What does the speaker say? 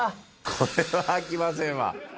これはあきませんわ。